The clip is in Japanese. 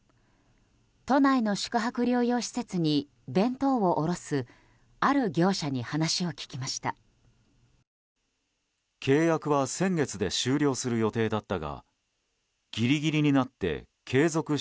都内の宿泊療養施設に弁当を卸すある業者に話を聞きました。